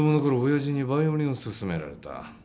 親父にバイオリンを勧められた。